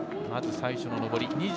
まず最初の上り。